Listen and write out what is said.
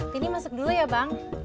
tini masuk dulu ya bang